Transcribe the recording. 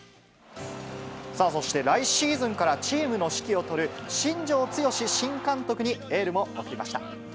そして来シーズンからチームの指揮を執る新庄剛志新監督にエールを送りました。